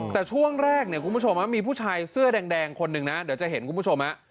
แต่ช่วงแรกเนี่ยคุณผู้ชมมีผู้ชายเสื้อแดงคนหนึ่งนะเดี๋ยวจะเห็นคุณผู้ชม